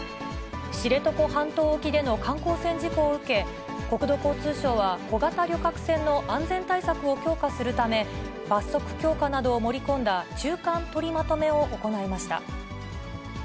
知床半島沖での観光船事故を受け、国土交通省は、小型旅客船の安全対策を強化するため、罰則強化などを盛り込んだ中間取りまとめを行いました。